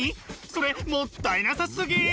それもったいなさすぎ！